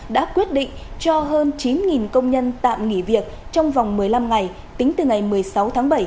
đã quyết định cho hơn chín công nhân tạm nghỉ việc trong vòng một mươi năm ngày tính từ ngày một mươi sáu tháng bảy